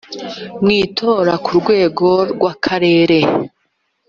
mu itora ku rwego rw’akarere